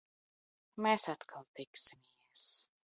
Mēs atkal tiksimies!